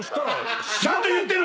ちゃんと言ってるわ！